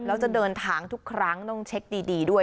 แล้วจะเดินทางทุกครั้งต้องเช็คดีด้วย